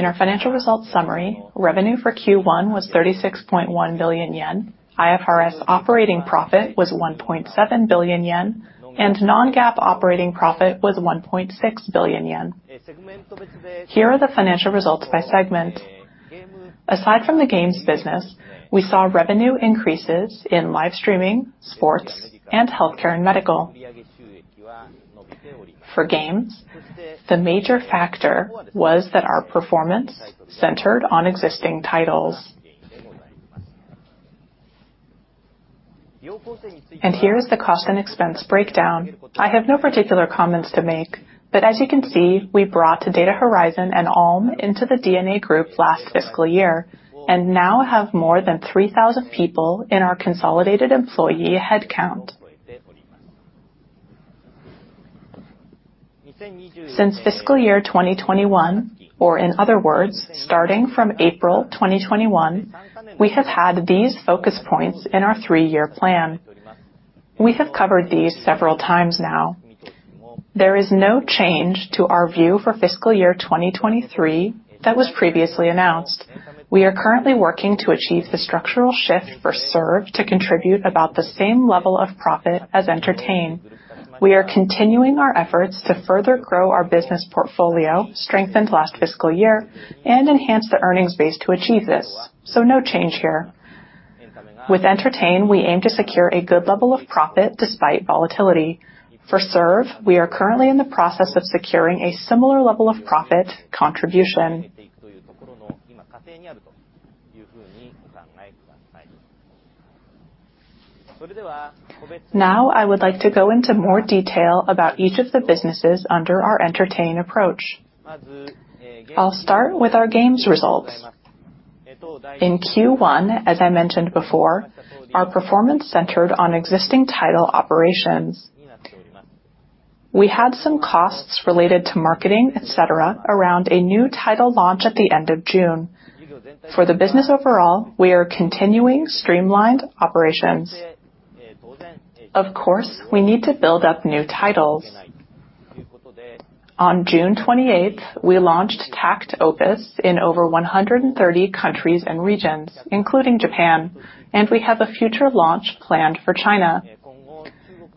In our Financial Results Summary, revenue for Q1 was 36.1 billion yen. IFRS operating profit was 1.7 billion yen, and non-GAAP operating profit was 1.6 billion yen. Here are the financial results by segment. Aside from the games business, we saw revenue increases in live streaming, sports, and healthcare and medical. For games, the major factor was that our performance centered on existing titles. Here is the cost and expense breakdown. I have no particular comments to make, but as you can see, we brought Data Horizon and Allm into the DeNA group last fiscal year, and now have more than 3,000 people in our consolidated employee headcount. Since Fiscal Year 2021, or in other words, starting from April 2021, we have had these focus points in our three-year plan. We have covered these several times now. There is no change to our view for fiscal year 2023 that was previously announced. We are currently working to achieve the structural shift for Serve to contribute about the same level of profit as Entertain. We are continuing our efforts to further grow our business portfolio, strengthened last fiscal year, and enhance the earnings base to achieve this. No change here. With Entertain, we aim to secure a good level of profit despite volatility. For Serve, we are currently in the process of securing a similar level of profit contribution. Now, I would like to go into more detail about each of the businesses under our Entertain approach. I'll start with our games results. In Q1, as I mentioned before, our performance centered on existing title operations. We had some costs related to marketing, et cetera, around a new title launch at the end of June. For the business overall, we are continuing streamlined operations. Of course, we need to build up new titles. On June 28th, we launched takt op. in over 130 countries and regions, including Japan, and we have a future launch planned for China.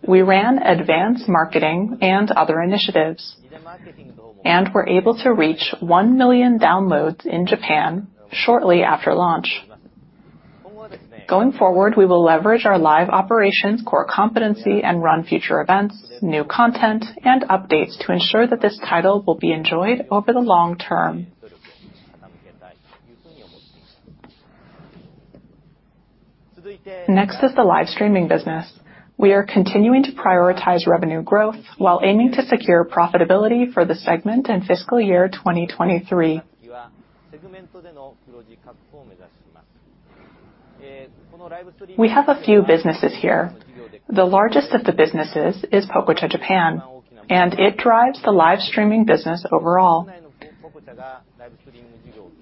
We ran advanced marketing and other initiatives, and were able to reach 1 million downloads in Japan shortly after launch. Going forward, we will leverage our live operations core competency and run future events, new content, and updates to ensure that this title will be enjoyed over the long term. Next is the live streaming business. We are continuing to prioritize revenue growth while aiming to secure profitability for the segment in Fiscal Year 2023. We have a few businesses here. The largest of the businesses is Pococha Japan, and it drives the live streaming business overall.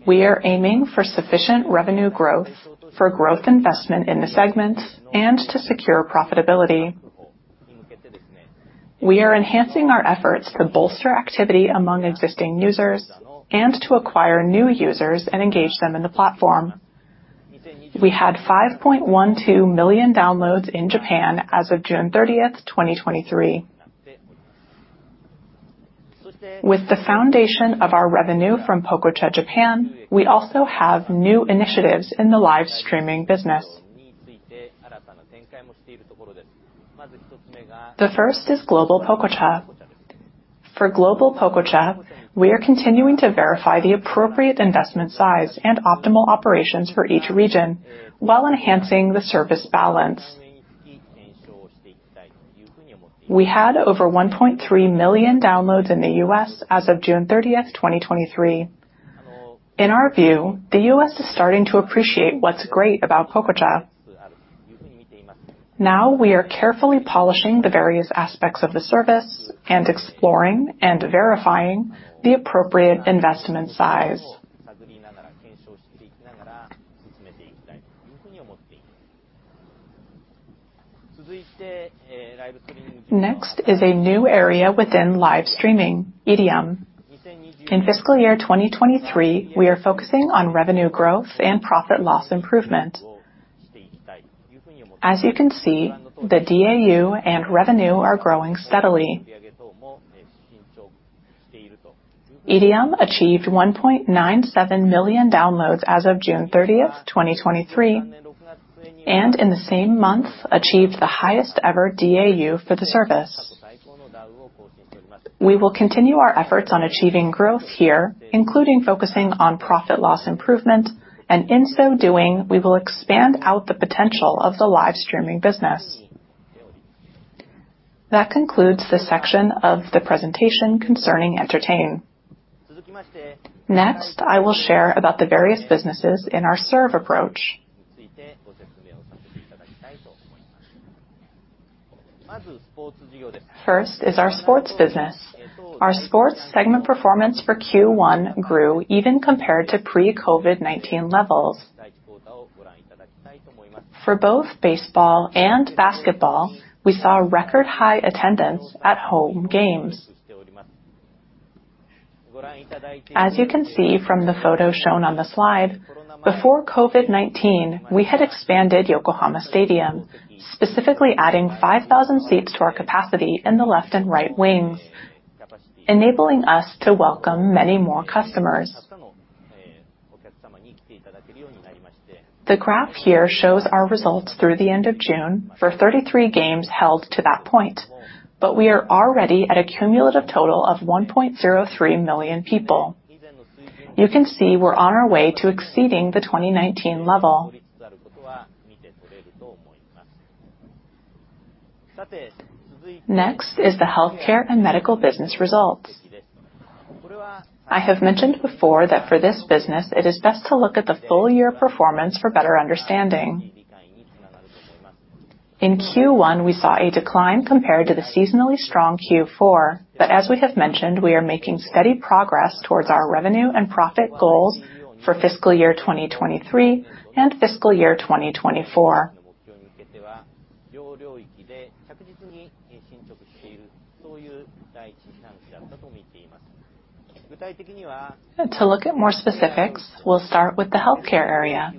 We are aiming for sufficient revenue growth, for growth investment in the segment, and to secure profitability. We are enhancing our efforts to bolster activity among existing users and to acquire new users and engage them in the platform. We had 5.12 million downloads in Japan as of June 30, 2023. With the foundation of our revenue from Pococha Japan, we also have new initiatives in the live streaming business. The first is Global Pococha. For Global Pococha, we are continuing to verify the appropriate investment size and optimal operations for each region while enhancing the service balance. We had over 1.3 million downloads in the US as of June 30, 2023. In our view, the US is starting to appreciate what's great about Pococha. Now, we are carefully polishing the various aspects of the service and exploring and verifying the appropriate investment size. Next is a new area within live streaming, IRIAM. In fiscal year 2023, we are focusing on revenue growth and profit loss improvement. As you can see, the DAU and revenue are growing steadily. Edyom achieved 1.97 million downloads as of June 30, 2023, and in the same month, achieved the highest ever DAU for the service. We will continue our efforts on achieving growth here, including focusing on profit loss improvement, and in so doing, we will expand out the potential of the live streaming business. That concludes this section of the presentation concerning Entertain. Next, I will share about the various businesses in our Serve approach. First is our sports business. Our sports segment performance for Q1 grew even compared to pre-COVID-19 levels. For both baseball and basketball, we saw record high attendance at home games. As you can see from the photo shown on the slide, before COVID-19, we had expanded Yokohama Stadium, specifically adding 5,000 seats to our capacity in the left and right wings, enabling us to welcome many more customers. The graph here shows our results through the end of June for 33 games held to that point, but we are already at a cumulative total of 1.03 million people. You can see we're on our way to exceeding the 2019 level. Next is the healthcare and medical business results. I have mentioned before that for this business, it is best to look at the full year performance for better understanding. In Q1, we saw a decline compared to the seasonally strong Q4, but as we have mentioned, we are making steady progress towards our revenue and profit goals for fiscal year 2023 and fiscal year 2024. To look at more specifics, we'll start with the healthcare area.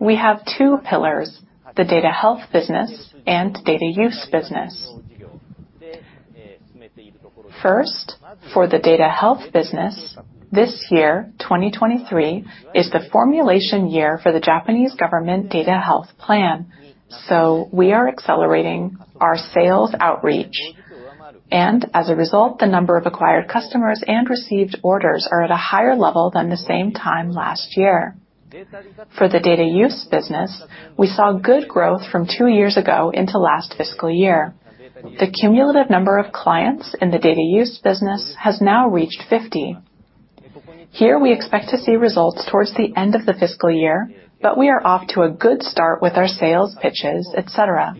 We have two pillars, the Data Health business and Data Use business. First, for the Data Health business, this year, 2023, is the formulation year for the Japanese Government Data Health Plan. We are accelerating our sales outreach. As a result, the number of acquired customers and received orders are at a higher level than the same time last year. For the Data Use business, we saw good growth from two years ago into last fiscal year. The cumulative number of clients in the Data Use business has now reached 50. Here, we expect to see results towards the end of the fiscal year, but we are off to a good start with our sales pitches, et cetera.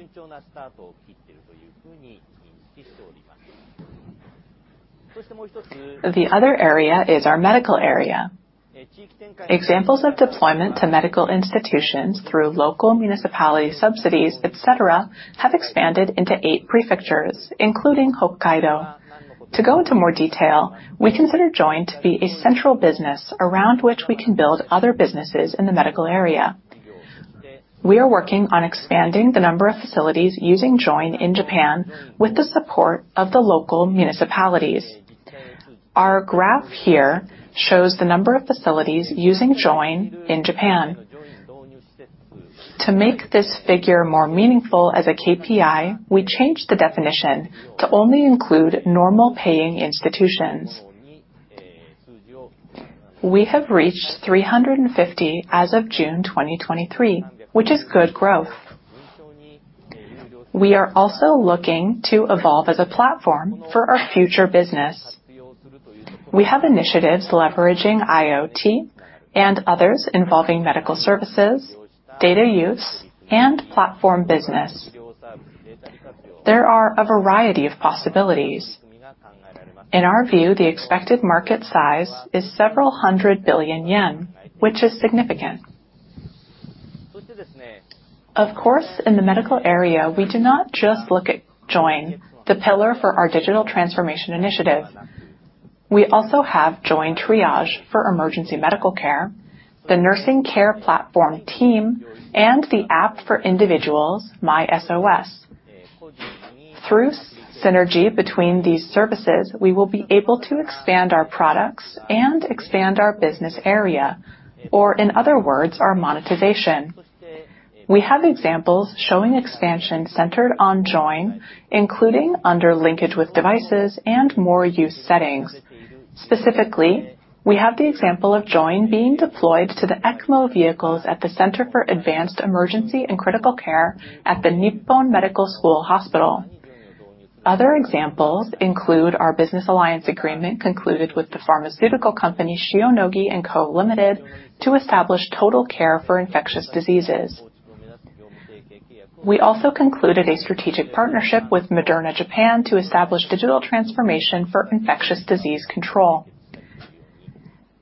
The other area is our medical area. Examples of deployment to medical institutions through local municipality, subsidies, et cetera, have expanded into eight prefectures, including Hokkaido. To go into more detail, we consider JOIN to be a central business around which we can build other businesses in the medical area. We are working on expanding the number of facilities using JOIN in Japan with the support of the local municipalities. Our graph here shows the number of facilities using JOIN in Japan. To make this figure more meaningful as a KPI, we changed the definition to only include normal paying institutions. We have reached 350 as of June 2023, which is good growth. We are also looking to evolve as a platform for our future business. We have initiatives leveraging IoT and others involving medical services, data use, and platform business. There are a variety of possibilities. In our view, the expected market size is several hundred billion JPY, which is significant. Of course, in the medical area, we do not just look at Join, the pillar for our digital transformation initiative. We also have Join Triage for emergency medical care, the nursing care platform Team, and the app for individuals, MySOS. Through synergy between these services, we will be able to expand our products and expand our business area, or in other words, our monetization. We have examples showing expansion centered on Join, including under linkage with devices and more use settings. Specifically, we have the example of Join being deployed to the ECMO vehicles at the Center for Advanced Emergency and Critical Care at the Nippon Medical School Hospital. Other examples include our business alliance agreement, concluded with the pharmaceutical company, Shionogi & Co., Ltd., to establish total care for infectious diseases. We also concluded a strategic partnership with Moderna Japan to establish digital transformation for infectious disease control.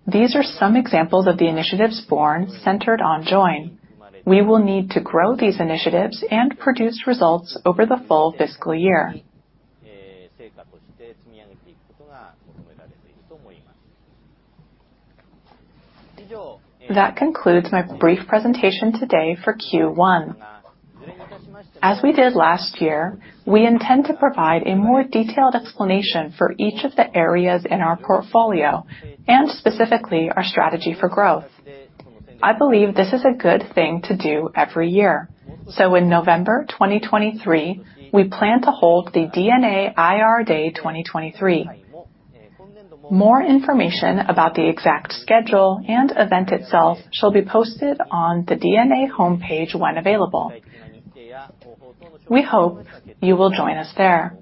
These are some examples of the initiatives born centered on Join. We will need to grow these initiatives and produce results over the full fiscal year. That concludes my brief presentation today for Q1. As we did last year, we intend to provide a more detailed explanation for each of the areas in our portfolio and specifically, our strategy for growth. I believe this is a good thing to do every year. In November 2023, we plan to hold the DeNA IR Day 2023. More information about the exact schedule and event itself shall be posted on the DeNA homepage when available. We hope you will join us there.